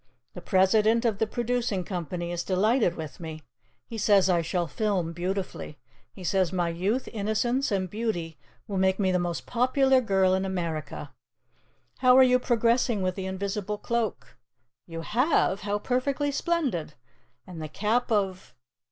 The president of the producing company is delighted with me. He says I shall film beautifully. He says my youth, innocence, and beauty will make me the most popular girl in America. How are you progressing with the invisible cloak? You have? How perfectly splendid! And the Cap of